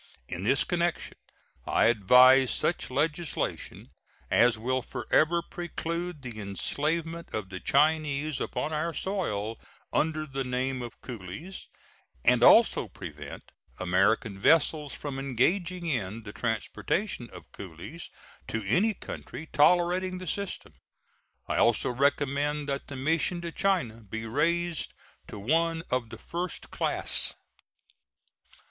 In this connection I advise such legislation as will forever preclude the enslavement of the Chinese upon our soil under the name of coolies, and also prevent American vessels from engaging in the transportation of coolies to any country tolerating the system. I also recommend that the mission to China be raised to one of the first class.